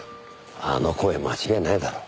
あの声間違いないだろ。